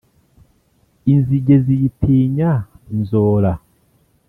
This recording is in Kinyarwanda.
Inzige ziyitinya inzora